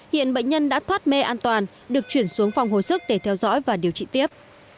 hiện bệnh nhân đã thoát mê an toàn được chuyển xuống phòng hồi sức để theo dõi và điều trị tiếp